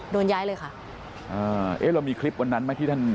โดนย้ายเลยค่ะอ่าเอ๊ะเรามีคลิปวันนั้นไหมที่ท่าน